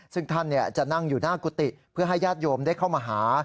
ซึ่งท่านจะนั่งอยู่หน้ากุฏิเพื่อให้ญาติโยมได้เข้ามาหา